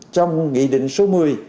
trong nghị định số một mươi